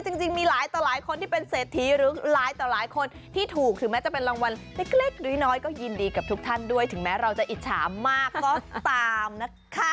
จริงมีหลายต่อหลายคนที่เป็นเศรษฐีหรือหลายต่อหลายคนที่ถูกถึงแม้จะเป็นรางวัลเล็กน้อยก็ยินดีกับทุกท่านด้วยถึงแม้เราจะอิจฉามากก็ตามนะคะ